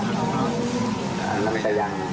สวัสดีครับทุกคน